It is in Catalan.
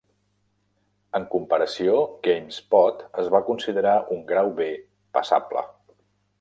En comparació, GameSpot es va considerar un Grau B "passable".